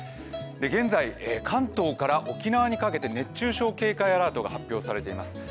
現在、関東から沖縄にかけて熱中症警戒アラートが出されています。